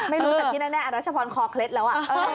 ไม่รู้แต่ที่แน่อรัชพรคอเคล็ดแล้ว